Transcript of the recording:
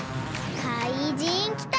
かいじんきた！